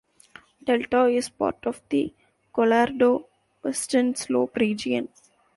Delta is part of the Colorado Western Slope region.